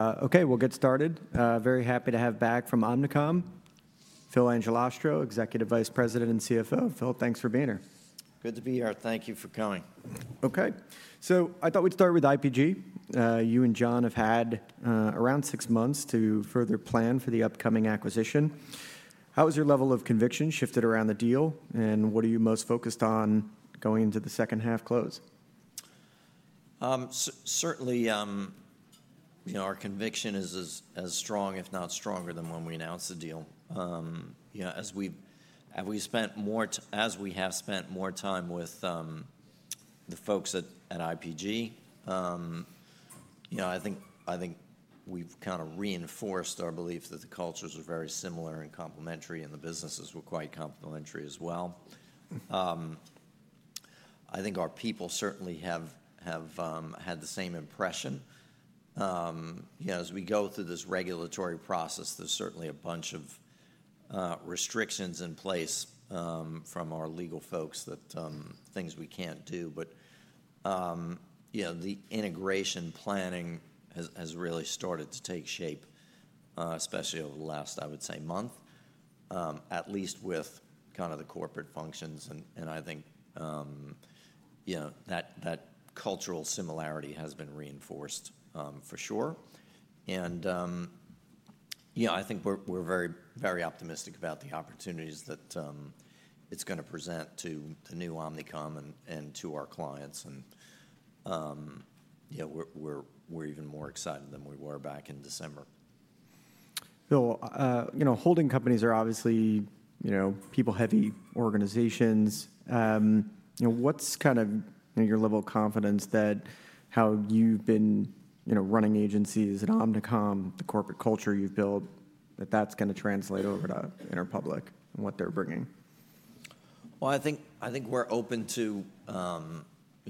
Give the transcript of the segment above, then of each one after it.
Okay, we'll get started. Very happy to have back from Omnicom, Phil Angelastro, Executive Vice President and CFO. Phil, thanks for being here. Good to be here. Thank you for coming. Okay, so I thought we'd start with IPG. You and John have had around six months to further plan for the upcoming acquisition. How has your level of conviction shifted around the deal, and what are you most focused on going into the second half close? Certainly, you know, our conviction is as strong, if not stronger, than when we announced the deal. You know, as we have spent more time with the folks at IPG, you know, I think we have kind of reinforced our belief that the cultures are very similar and complementary, and the businesses were quite complementary as well. I think our people certainly have had the same impression. You know, as we go through this regulatory process, there is certainly a bunch of restrictions in place from our legal folks that things we cannot do. You know, the integration planning has really started to take shape, especially over the last, I would say, month, at least with kind of the corporate functions. I think, you know, that cultural similarity has been reinforced for sure. You know, I think we're very, very optimistic about the opportunities that it's going to present to the new Omnicom and to our clients. You know, we're even more excited than we were back in December. Phil, you know, holding companies are obviously, you know, people-heavy organizations. You know, what's kind of your level of confidence that how you've been, you know, running agencies at Omnicom, the corporate culture you've built, that that's going to translate over to Interpublic and what they're bringing? I think we're open to, you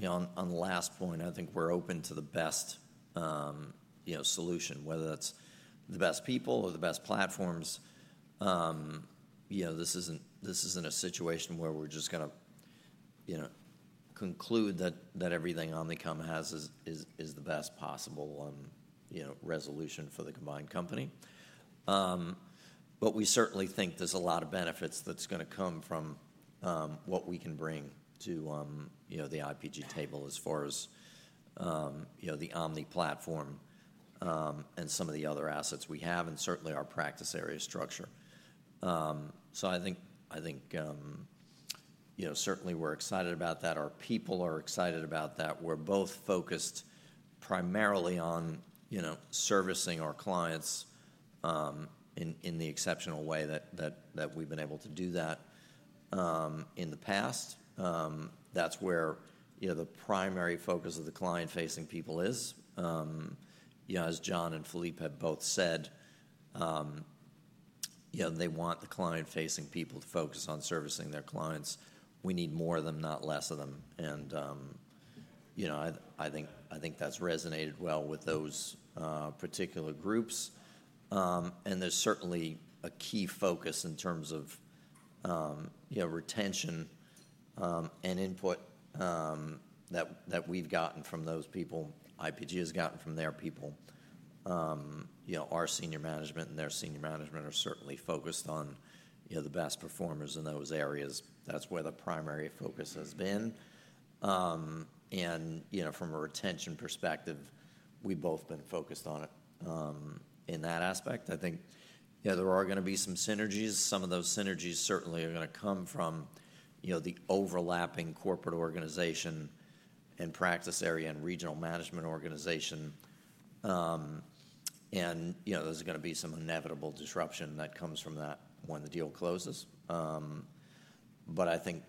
know, on the last point, I think we're open to the best, you know, solution, whether that's the best people or the best platforms. You know, this isn't a situation where we're just going to, you know, conclude that everything Omnicom has is the best possible one, you know, resolution for the combined company. We certainly think there's a lot of benefits that's going to come from what we can bring to, you know, the IPG table as far as, you know, the Omni platform and some of the other assets we have and certainly our practice area structure. I think, you know, certainly we're excited about that. Our people are excited about that. We're both focused primarily on, you know, servicing our clients in the exceptional way that we've been able to do that in the past. That's where, you know, the primary focus of the client-facing people is. You know, as John and Philippe have both said, you know, they want the client-facing people to focus on servicing their clients. We need more of them, not less of them. You know, I think that's resonated well with those particular groups. There's certainly a key focus in terms of, you know, retention and input that we've gotten from those people, IPG has gotten from their people. You know, our senior management and their senior management are certainly focused on, you know, the best performers in those areas. That's where the primary focus has been. You know, from a retention perspective, we've both been focused on it in that aspect. I think, you know, there are going to be some synergies. Some of those synergies certainly are going to come from, you know, the overlapping corporate organization and practice area and regional management organization. You know, there's going to be some inevitable disruption that comes from that when the deal closes. I think,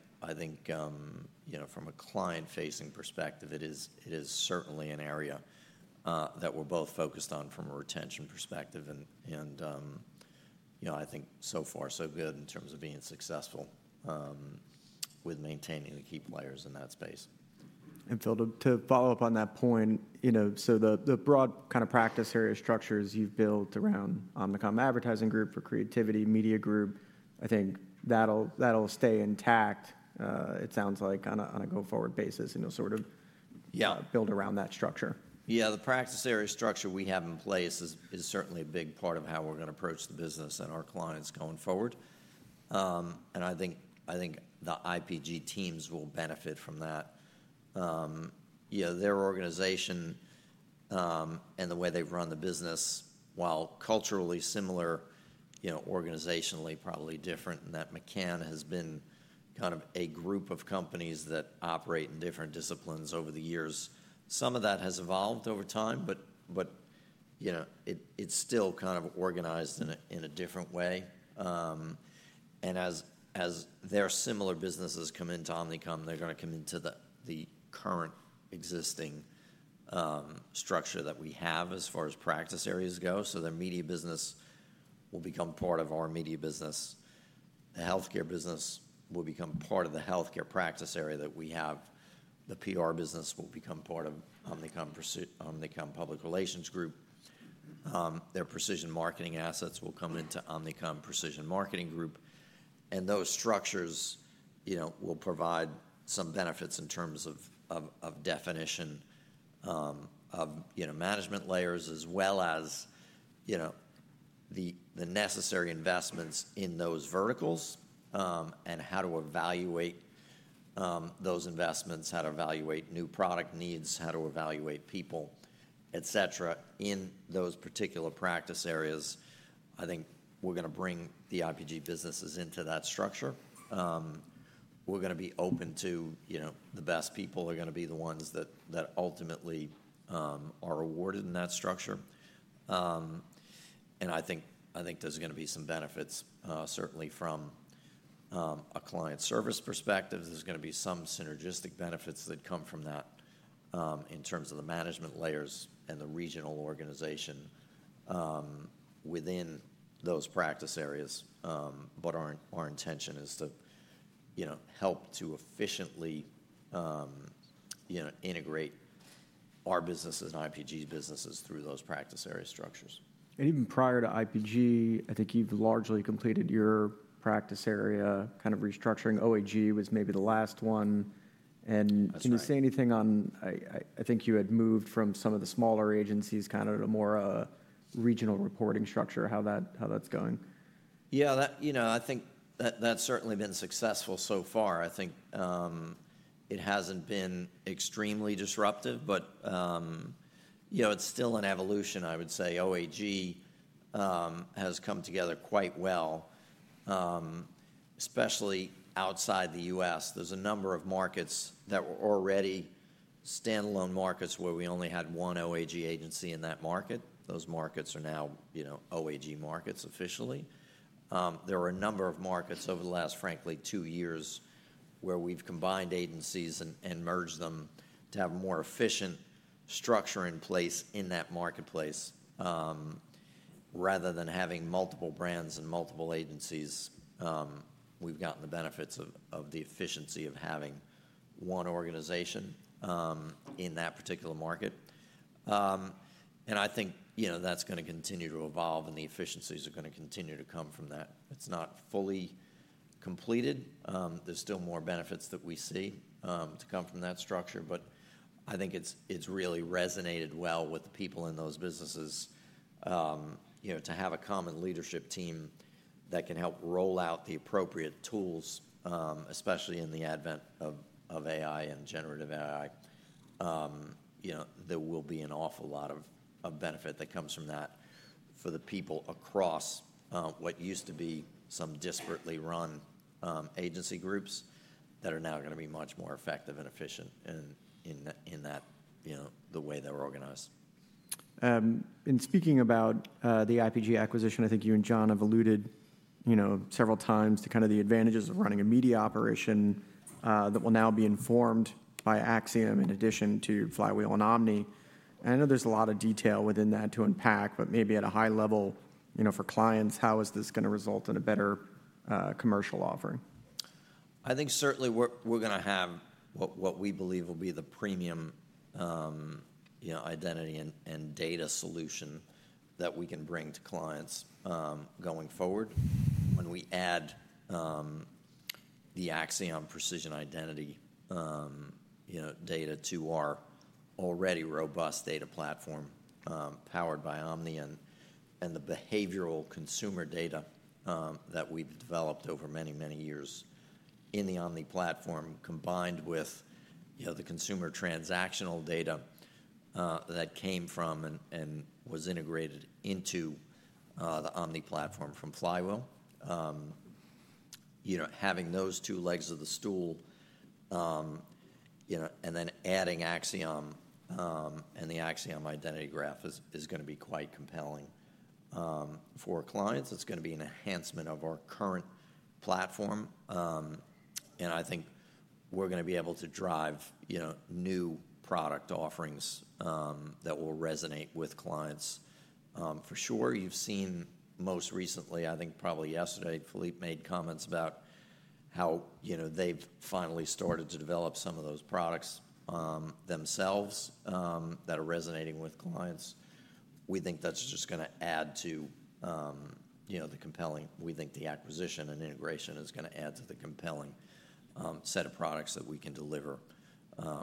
you know, from a client-facing perspective, it is certainly an area that we're both focused on from a retention perspective. You know, I think so far, so good in terms of being successful with maintaining the key players in that space. Phil, to follow up on that point, you know, the broad kind of practice area structures you've built around Omnicom Advertising Group for Creativity Media Group, I think that'll stay intact, it sounds like, on a go-forward basis, and you'll sort of build around that structure. Yeah, the practice area structure we have in place is certainly a big part of how we're going to approach the business and our clients going forward. I think the IPG teams will benefit from that. You know, their organization and the way they've run the business, while culturally similar, you know, organizationally probably different, and that McCann has been kind of a group of companies that operate in different disciplines over the years, some of that has evolved over time, but, you know, it's still kind of organized in a different way. As their similar businesses come into Omnicom, they're going to come into the current existing structure that we have as far as practice areas go. Their media business will become part of our media business. The healthcare business will become part of the healthcare practice area that we have. The PR business will become part of Omnicom Public Relations Group. Their precision marketing assets will come into Omnicom Precision Marketing Group. Those structures, you know, will provide some benefits in terms of definition of, you know, management layers, as well as, you know, the necessary investments in those verticals and how to evaluate those investments, how to evaluate new product needs, how to evaluate people, etc., in those particular practice areas. I think we're going to bring the IPG businesses into that structure. We're going to be open to, you know, the best people are going to be the ones that ultimately are awarded in that structure. I think there's going to be some benefits, certainly from a client service perspective. There's going to be some synergistic benefits that come from that in terms of the management layers and the regional organization within those practice areas. Our intention is to, you know, help to efficiently, you know, integrate our businesses and IPG's businesses through those practice area structures. Even prior to IPG, I think you've largely completed your practice area kind of restructuring. OAG was maybe the last one. Can you say anything on, I think you had moved from some of the smaller agencies kind of to more of a regional reporting structure, how that's going? Yeah, you know, I think that's certainly been successful so far. I think it hasn't been extremely disruptive, but, you know, it's still an evolution, I would say. OAG has come together quite well, especially outside the U.S. There's a number of markets that were already standalone markets where we only had one OAG agency in that market. Those markets are now, you know, OAG markets officially. There were a number of markets over the last, frankly, two years where we've combined agencies and merged them to have a more efficient structure in place in that marketplace. Rather than having multiple brands and multiple agencies, we've gotten the benefits of the efficiency of having one organization in that particular market. I think, you know, that's going to continue to evolve and the efficiencies are going to continue to come from that. It's not fully completed. There's still more benefits that we see to come from that structure. I think it's really resonated well with the people in those businesses, you know, to have a common leadership team that can help roll out the appropriate tools, especially in the advent of AI and generative AI. You know, there will be an awful lot of benefit that comes from that for the people across what used to be some disparately run agency groups that are now going to be much more effective and efficient in that, you know, the way they're organized. Speaking about the IPG acquisition, I think you and John have alluded, you know, several times to kind of the advantages of running a media operation that will now be informed by Acxiom in addition to Flywheel and Omni. I know there's a lot of detail within that to unpack, but maybe at a high level, you know, for clients, how is this going to result in a better commercial offering? I think certainly we're going to have what we believe will be the premium, you know, identity and data solution that we can bring to clients going forward when we add the Acxiom Precision Identity, you know, data to our already robust data platform powered by Omni and the behavioral consumer data that we've developed over many, many years in the Omni platform, combined with, you know, the consumer transactional data that came from and was integrated into the Omni platform from Flywheel. You know, having those two legs of the stool, you know, and then adding Acxiom and the Acxiom Identity Graph is going to be quite compelling for clients. It's going to be an enhancement of our current platform. I think we're going to be able to drive, you know, new product offerings that will resonate with clients for sure. You've seen most recently, I think probably yesterday, Philippe made comments about how, you know, they've finally started to develop some of those products themselves that are resonating with clients. We think that's just going to add to, you know, the compelling. We think the acquisition and integration is going to add to the compelling set of products that we can deliver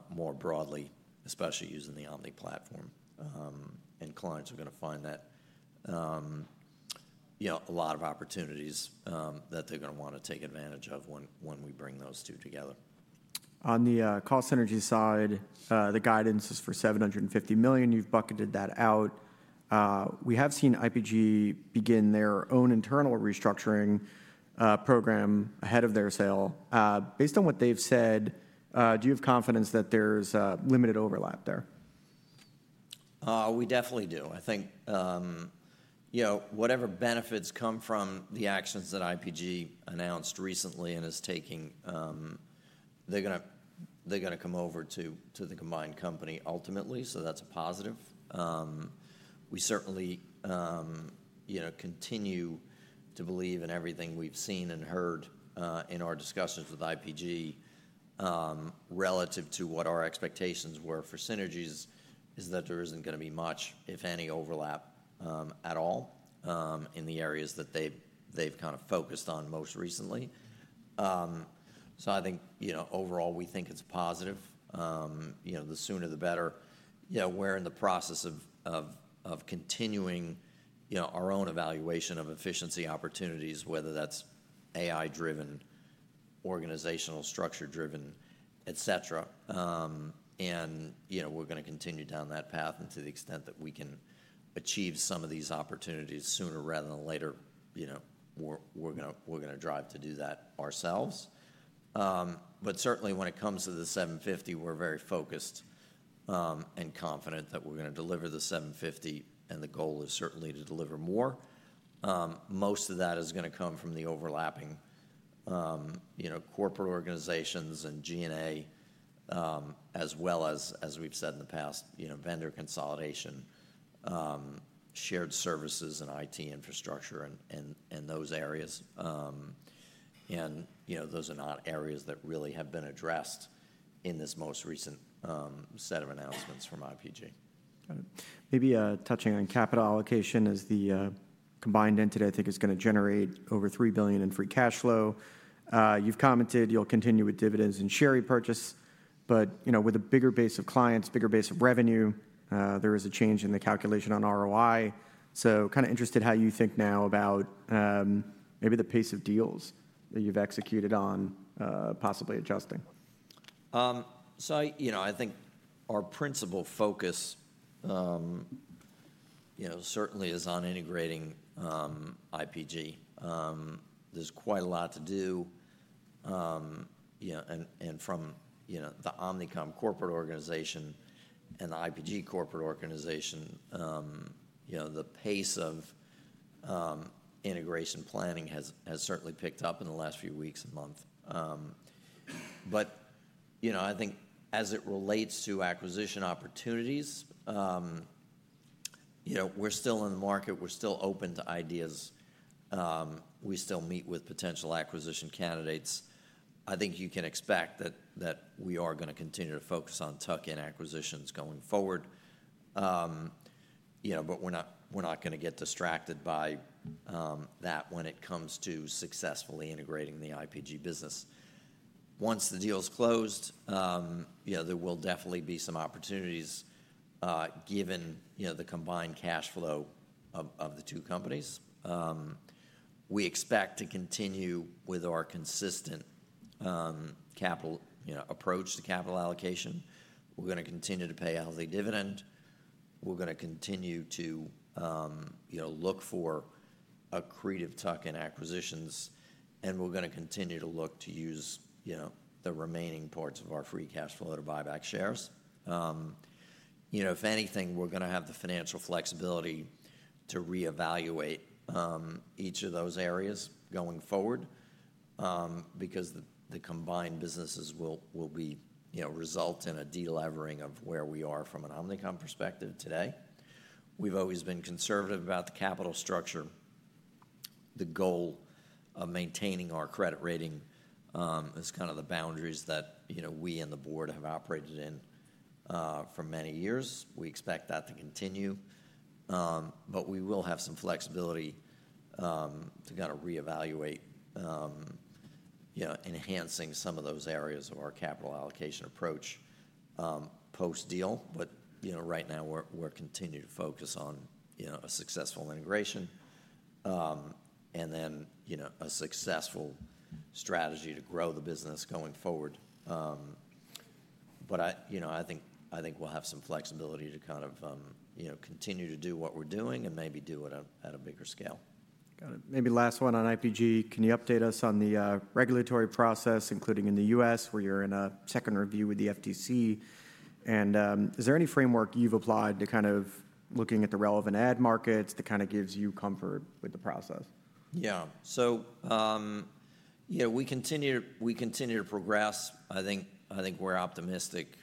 more broadly, especially using the Omni platform. Clients are going to find that, you know, a lot of opportunities that they're going to want to take advantage of when we bring those two together. On the cost synergy side, the guidance is for $750 million. You've bucketed that out. We have seen IPG begin their own internal restructuring program ahead of their sale. Based on what they've said, do you have confidence that there's limited overlap there? We definitely do. I think, you know, whatever benefits come from the actions that IPG announced recently and is taking, they're going to come over to the combined company ultimately. That is a positive. We certainly, you know, continue to believe in everything we've seen and heard in our discussions with IPG relative to what our expectations were for synergies is that there isn't going to be much, if any, overlap at all in the areas that they've kind of focused on most recently. I think, you know, overall, we think it's positive. You know, the sooner the better. You know, we're in the process of continuing, you know, our own evaluation of efficiency opportunities, whether that's AI-driven, organizational structure-driven, etc., and You know, we're going to continue down that path and to the extent that we can achieve some of these opportunities sooner rather than later, you know, we're going to drive to do that ourselves. Certainly when it comes to the $750 million, we're very focused and confident that we're going to deliver the $750 million, and the goal is certainly to deliver more. Most of that is going to come from the overlapping, you know, corporate organizations and G&A, as well as, as we've said in the past, you know, vendor consolidation, shared services and IT infrastructure and those areas. You know, those are not areas that really have been addressed in this most recent set of announcements from IPG. Got it. Maybe touching on capital allocation as the combined entity, I think it's going to generate over $3 billion in free cash flow. You've commented you'll continue with dividends and share repurchase, but, you know, with a bigger base of clients, bigger base of revenue, there is a change in the calculation on ROI. So kind of interested how you think now about maybe the pace of deals that you've executed on, possibly adjusting. You know, I think our principal focus, you know, certainly is on integrating IPG. There's quite a lot to do, you know, and from the Omnicom corporate organization and the IPG corporate organization, you know, the pace of integration planning has certainly picked up in the last few weeks and months. I think as it relates to acquisition opportunities, you know, we're still in the market. We're still open to ideas. We still meet with potential acquisition candidates. I think you can expect that we are going to continue to focus on tuck-in acquisitions going forward, you know, but we're not going to get distracted by that when it comes to successfully integrating the IPG business. Once the deal's closed, you know, there will definitely be some opportunities given, you know, the combined cash flow of the two companies. We expect to continue with our consistent capital, you know, approach to capital allocation. We're going to continue to pay a healthy dividend. We're going to continue to, you know, look for accretive tuck-in acquisitions, and we're going to continue to look to use, you know, the remaining parts of our free cash flow to buy back shares. You know, if anything, we're going to have the financial flexibility to reevaluate each of those areas going forward because the combined businesses will be, you know, result in a delevering of where we are from an Omnicom perspective today. We've always been conservative about the capital structure. The goal of maintaining our credit rating is kind of the boundaries that, you know, we and the board have operated in for many years. We expect that to continue, but we will have some flexibility to kind of reevaluate, you know, enhancing some of those areas of our capital allocation approach post-deal. But, you know, right now we're continuing to focus on, you know, a successful integration and then, you know, a successful strategy to grow the business going forward. But I, you know, I think we'll have some flexibility to kind of, you know, continue to do what we're doing and maybe do it at a bigger scale. Got it. Maybe the last one on IPG. Can you update us on the regulatory process, including in the U.S. where you're in a second review with the FTC? Is there any framework you've applied to kind of looking at the relevant ad markets that kind of gives you comfort with the process? Yeah. So, you know, we continue to progress. I think we're optimistic,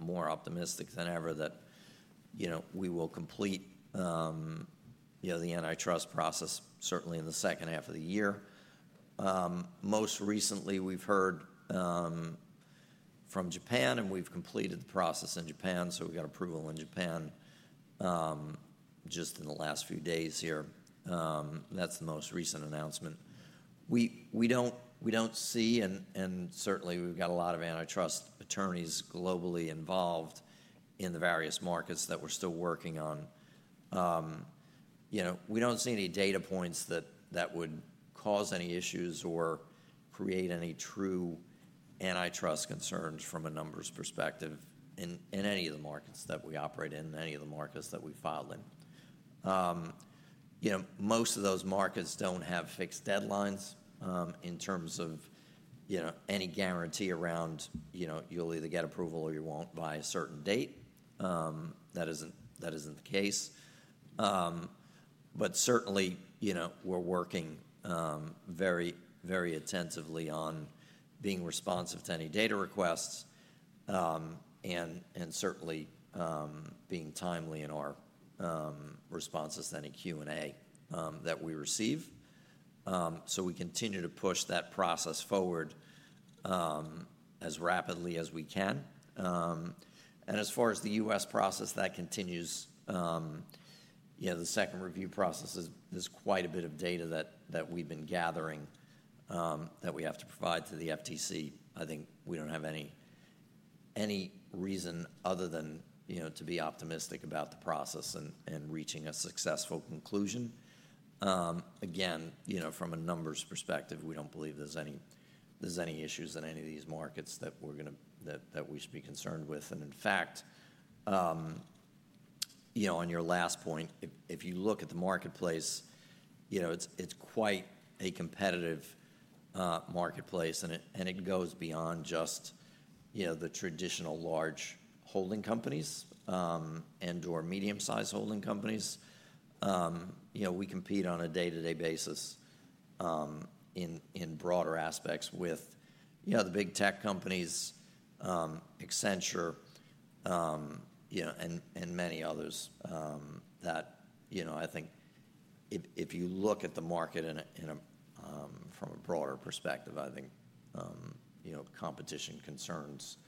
more optimistic than ever that, you know, we will complete, you know, the antitrust process certainly in the second half of the year. Most recently, we've heard from Japan, and we've completed the process in Japan. We got approval in Japan just in the last few days here. That's the most recent announcement. We don't see, and certainly we've got a lot of antitrust attorneys globally involved in the various markets that we're still working on. You know, we don't see any data points that would cause any issues or create any true antitrust concerns from a numbers perspective in any of the markets that we operate in, in any of the markets that we've filed in. You know, most of those markets don't have fixed deadlines in terms of, you know, any guarantee around, you know, you will either get approval or you won't by a certain date. That isn't the case. Certainly, you know, we are working very, very attentively on being responsive to any data requests and certainly being timely in our responses to any Q&A that we receive. We continue to push that process forward as rapidly as we can. As far as the U.S. process, that continues. You know, the second review process is quite a bit of data that we have been gathering that we have to provide to the FTC. I think we don't have any reason other than, you know, to be optimistic about the process and reaching a successful conclusion. Again, you know, from a numbers perspective, we don't believe there's any issues in any of these markets that we're going to, that we should be concerned with. In fact, you know, on your last point, if you look at the marketplace, you know, it's quite a competitive marketplace, and it goes beyond just, you know, the traditional large holding companies and/or medium-sized holding companies. You know, we compete on a day-to-day basis in broader aspects with, you know, the big tech companies, Accenture, you know, and many others that, you know, I think if you look at the market from a broader perspective, I think, you know, competition concerns,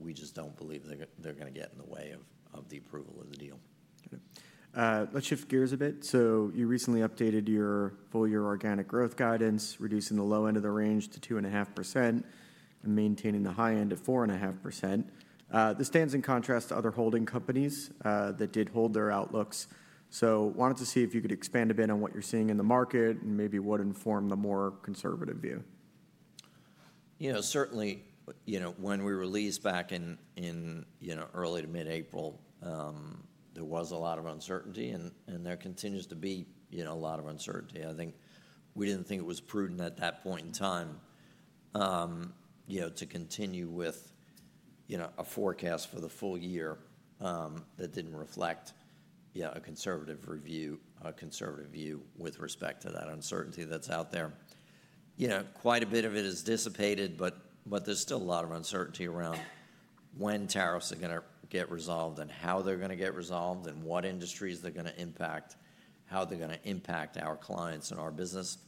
we just don't believe they're going to get in the way of the approval of the deal. Got it. Let's shift gears a bit. You recently updated your full-year organic growth guidance, reducing the low end of the range to 2.5% and maintaining the high end at 4.5%. This stands in contrast to other holding companies that did hold their outlooks. Wanted to see if you could expand a bit on what you're seeing in the market and maybe what informed the more conservative view. You know, certainly, you know, when we released back in, you know, early to mid-April, there was a lot of uncertainty, and there continues to be, you know, a lot of uncertainty. I think we didn't think it was prudent at that point in time, you know, to continue with, you know, a forecast for the full year that didn't reflect, you know, a conservative review with respect to that uncertainty that's out there. You know, quite a bit of it has dissipated, but there's still a lot of uncertainty around when tariffs are going to get resolved and how they're going to get resolved and what industries they're going to impact, how they're going to impact our clients and our business.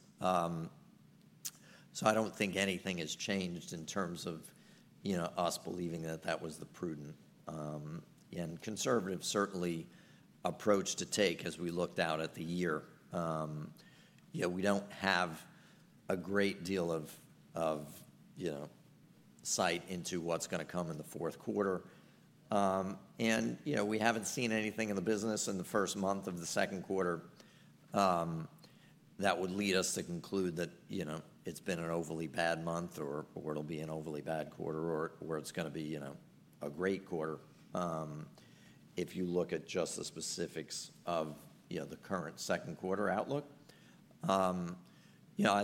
I don't think anything has changed in terms of, you know, us believing that that was the prudent and conservative certainly approach to take as we looked out at the year. You know, we don't have a great deal of, you know, sight into what's going to come in the fourth quarter. You know, we haven't seen anything in the business in the first month of the second quarter that would lead us to conclude that, you know, it's been an overly bad month or it'll be an overly bad quarter or it's going to be, you know, a great quarter if you look at just the specifics of, you know, the current second quarter outlook. I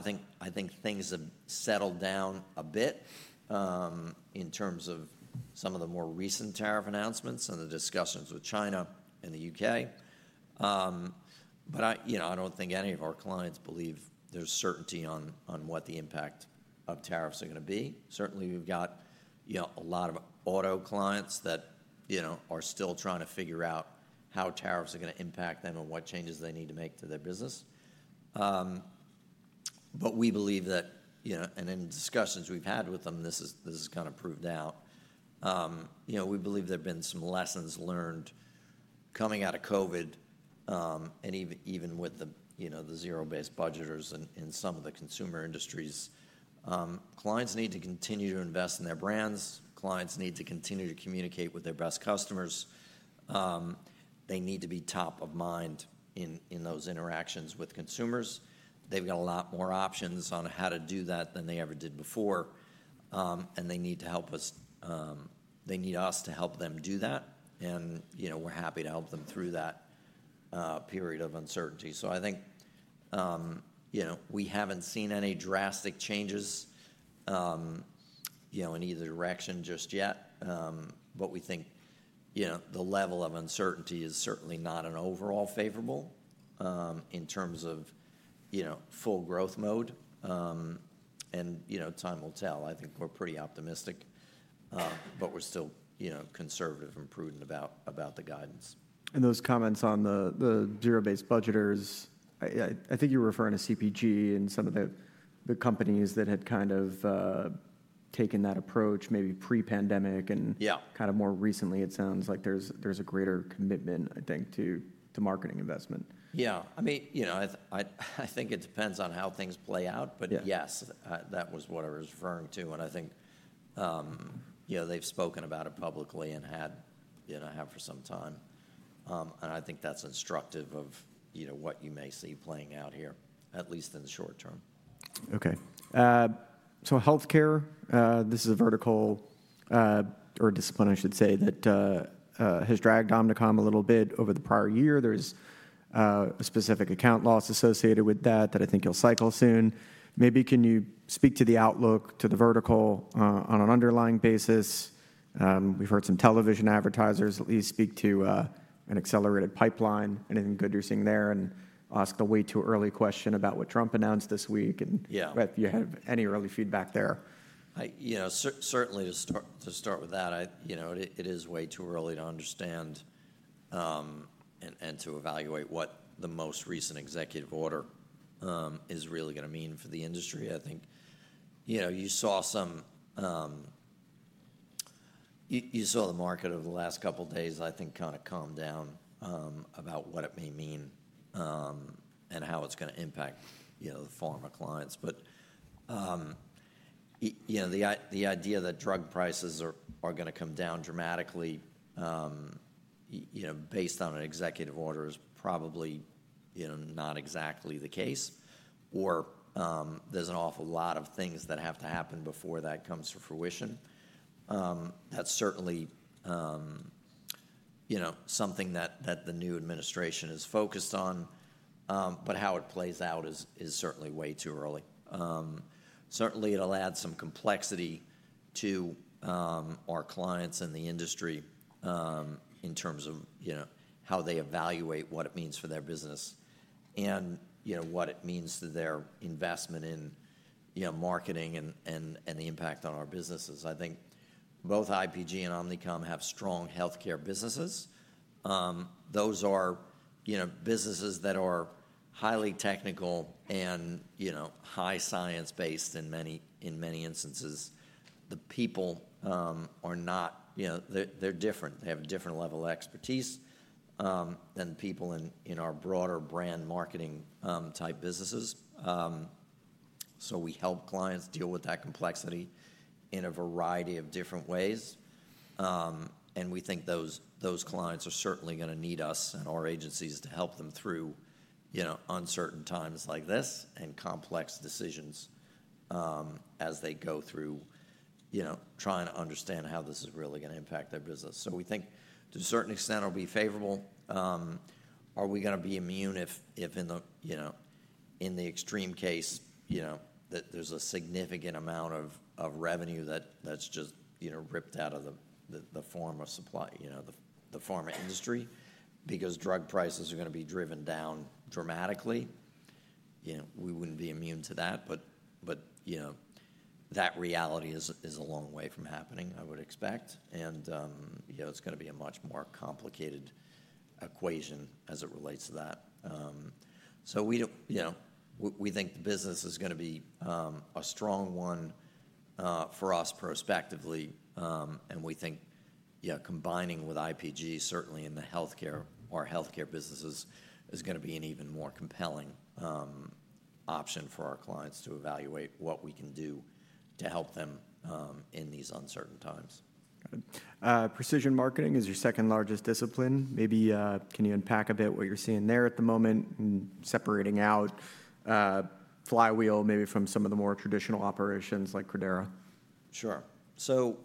think things have settled down a bit in terms of some of the more recent tariff announcements and the discussions with China and the U.K. I don't think any of our clients believe there's certainty on what the impact of tariffs are going to be. Certainly, we've got, you know, a lot of auto clients that, you know, are still trying to figure out how tariffs are going to impact them and what changes they need to make to their business. We believe that, you know, and in discussions we've had with them, this has kind of proved out. You know, we believe there have been some lessons learned coming out of COVID and even with, you know, the zero-based budgeters in some of the consumer industries. Clients need to continue to invest in their brands. Clients need to continue to communicate with their best customers. They need to be top of mind in those interactions with consumers. They've got a lot more options on how to do that than they ever did before. They need us to help them do that. You know, we're happy to help them through that period of uncertainty. I think, you know, we haven't seen any drastic changes, you know, in either direction just yet. We think, you know, the level of uncertainty is certainly not an overall favorable in terms of, you know, full growth mode. You know, time will tell. I think we're pretty optimistic, but we're still, you know, conservative and prudent about the guidance. Those comments on the zero-based budgeters, I think you were referring to CPG and some of the companies that had kind of taken that approach maybe pre-pandemic and kind of more recently, it sounds like there's a greater commitment, I think, to marketing investment. Yeah. I mean, you know, I think it depends on how things play out, but yes, that was what I was referring to. I think, you know, they've spoken about it publicly and, you know, have for some time. I think that's instructive of, you know, what you may see playing out here, at least in the short term. Okay. So healthcare, this is a vertical or discipline, I should say, that has dragged Omnicom a little bit over the prior year. There's a specific account loss associated with that that I think you'll cycle soon. Maybe can you speak to the outlook to the vertical on an underlying basis? We've heard some television advertisers at least speak to an accelerated pipeline. Anything good you're seeing there? And ask the way too early question about what Trump announced this week. And if you have any early feedback there. You know, certainly to start with that, you know, it is way too early to understand and to evaluate what the most recent executive order is really going to mean for the industry. I think, you know, you saw the market over the last couple of days, I think, kind of calm down about what it may mean and how it's going to impact, you know, the pharma clients. You know, the idea that drug prices are going to come down dramatically, you know, based on an executive order is probably, you know, not exactly the case. There is an awful lot of things that have to happen before that comes to fruition. That's certainly, you know, something that the new administration is focused on. How it plays out is certainly way too early. Certainly, it'll add some complexity to our clients and the industry in terms of, you know, how they evaluate what it means for their business and, you know, what it means to their investment in, you know, marketing and the impact on our businesses. I think both IPG and Omnicom have strong healthcare businesses. Those are, you know, businesses that are highly technical and, you know, high science-based in many instances. The people are not, you know, they're different. They have a different level of expertise than people in our broader brand marketing type businesses. We help clients deal with that complexity in a variety of different ways. We think those clients are certainly going to need us and our agencies to help them through, you know, uncertain times like this and complex decisions as they go through, you know, trying to understand how this is really going to impact their business. We think to a certain extent it'll be favorable. Are we going to be immune if, you know, in the extreme case, you know, that there's a significant amount of revenue that's just, you know, ripped out of the pharma supply, you know, the pharma industry because drug prices are going to be driven down dramatically? You know, we wouldn't be immune to that. You know, that reality is a long way from happening, I would expect. It's going to be a much more complicated equation as it relates to that. You know, we think the business is going to be a strong one for us prospectively. We think, you know, combining with IPG, certainly in the healthcare, our healthcare businesses is going to be an even more compelling option for our clients to evaluate what we can do to help them in these uncertain times. Got it. Precision marketing is your second largest discipline. Maybe can you unpack a bit what you're seeing there at the moment and separating out Flywheel maybe from some of the more traditional operations like Credera? Sure. So,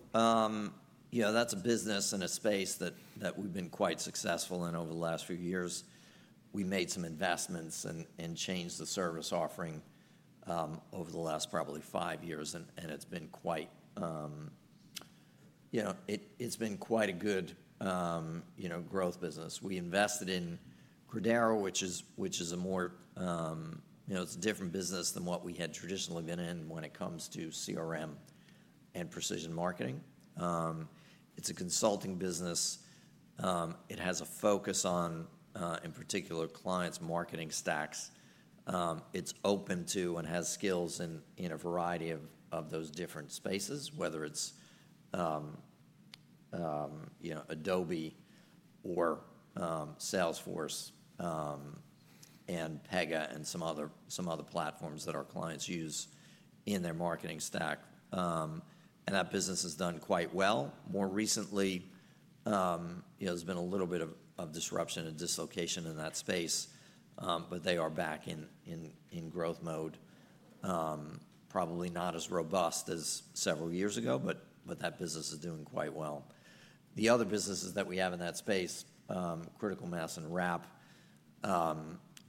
you know, that's a business and a space that we've been quite successful in over the last few years. We made some investments and changed the service offering over the last probably five years. And, you know, it's been quite a good, you know, growth business. We invested in Credera, which is a more, you know, it's a different business than what we had traditionally been in when it comes to CRM and precision marketing. It's a consulting business. It has a focus on, in particular, clients' marketing stacks. It's open to and has skills in a variety of those different spaces, whether it's, you know, Adobe or Salesforce and Pega and some other platforms that our clients use in their marketing stack. That business has done quite well. More recently, you know, there's been a little bit of disruption and dislocation in that space, but they are back in growth mode. Probably not as robust as several years ago, but that business is doing quite well. The other businesses that we have in that space, Critical Mass and RAPP,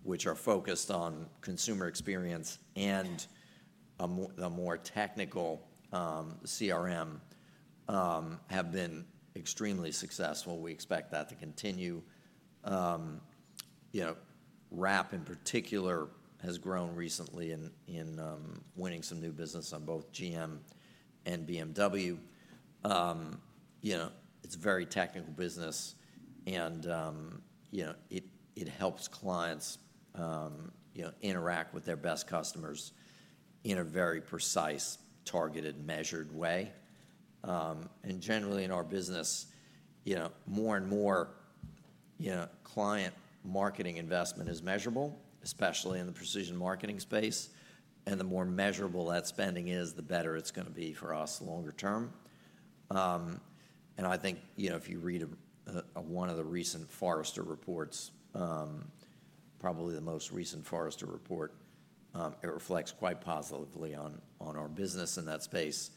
which are focused on consumer experience and a more technical CRM, have been extremely successful. We expect that to continue. You know, RAPP in particular has grown recently in winning some new business on both GM and BMW. You know, it's a very technical business and, you know, it helps clients, you know, interact with their best customers in a very precise, targeted, measured way. Generally in our business, you know, more and more, you know, client marketing investment is measurable, especially in the precision marketing space. The more measurable that spending is, the better it's going to be for us longer term. I think, you know, if you read one of the recent Forrester reports, probably the most recent Forrester report, it reflects quite positively on our business in that space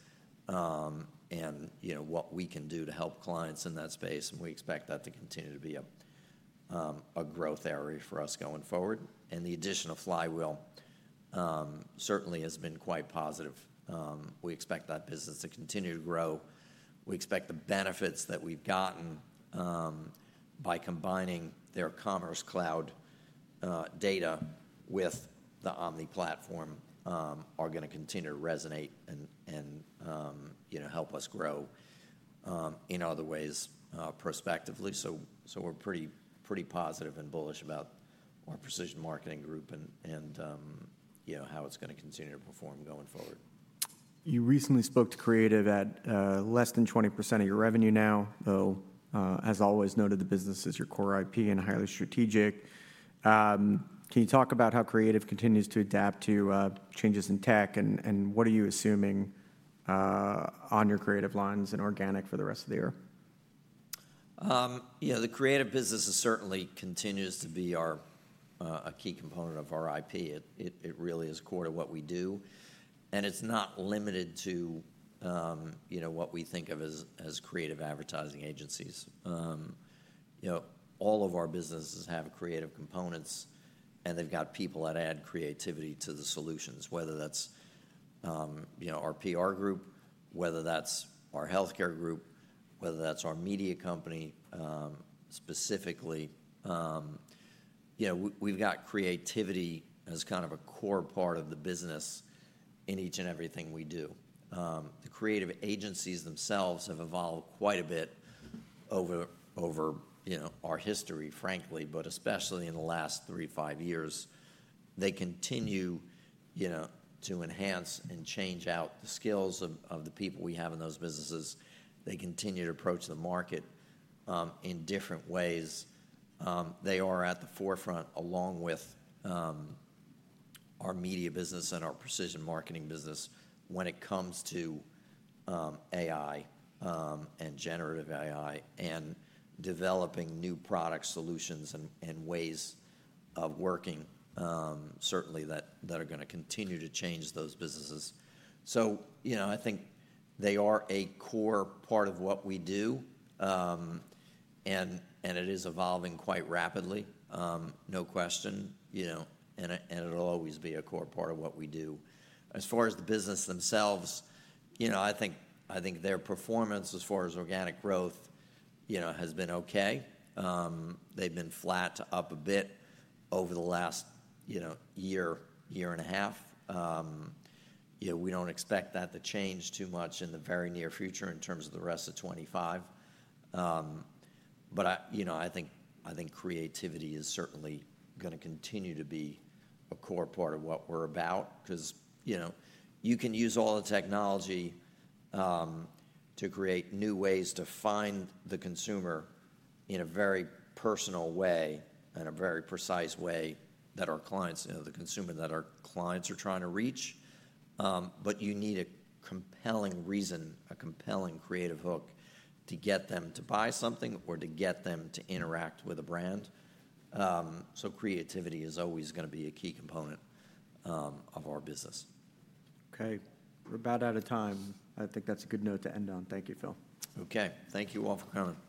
and, you know, what we can do to help clients in that space. We expect that to continue to be a growth area for us going forward. The addition of Flywheel certainly has been quite positive. We expect that business to continue to grow. We expect the benefits that we've gotten by combining their Commerce Cloud data with the Omni platform are going to continue to resonate and, you know, help us grow in other ways prospectively. We're pretty positive and bullish about our precision marketing group and, you know, how it's going to continue to perform going forward. You recently spoke to creative at less than 20% of your revenue now, though, as always noted, the business is your core IP and highly strategic. Can you talk about how creative continues to adapt to changes in tech and what are you assuming on your creative lines and organic for the rest of the year? You know, the creative businesses certainly continues to be a key component of our IP. It really is core to what we do. And it's not limited to, you know, what we think of as creative advertising agencies. You know, all of our businesses have creative components and they've got people that add creativity to the solutions, whether that's, you know, our PR group, whether that's our healthcare group, whether that's our media company specifically. You know, we've got creativity as kind of a core part of the business in each and everything we do. The creative agencies themselves have evolved quite a bit over, you know, our history, frankly, but especially in the last three, five years. They continue, you know, to enhance and change out the skills of the people we have in those businesses. They continue to approach the market in different ways. They are at the forefront along with our media business and our precision marketing business when it comes to AI and generative AI and developing new product solutions and ways of working certainly that are going to continue to change those businesses. You know, I think they are a core part of what we do and it is evolving quite rapidly, no question, you know, and it'll always be a core part of what we do. As far as the business themselves, you know, I think their performance as far as organic growth, you know, has been okay. They've been flat up a bit over the last, you know, year, year and a half. You know, we don't expect that to change too much in the very near future in terms of the rest of 2025. You know, I think creativity is certainly going to continue to be a core part of what we're about because, you know, you can use all the technology to create new ways to find the consumer in a very personal way and a very precise way that our clients, you know, the consumer that our clients are trying to reach. You need a compelling reason, a compelling creative hook to get them to buy something or to get them to interact with a brand. Creativity is always going to be a key component of our business. Okay. We're about out of time. I think that's a good note to end on. Thank you, Phil. Okay. Thank you all for coming.